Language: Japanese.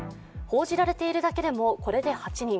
報じられているだけでもこれで８人。